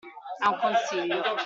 È un consiglio.